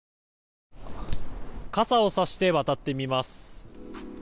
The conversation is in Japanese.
傘をさして渡ってみます。